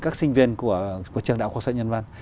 các sinh viên của trường đại học học sợi và nhân văn